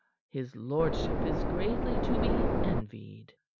His lordship is greatly to be envied."